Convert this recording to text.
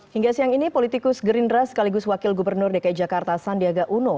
hingga siang ini politikus gerindra sekaligus wakil gubernur dki jakarta sandiaga uno